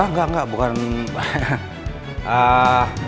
sebenarnya aku masih penuh gan dari dia nih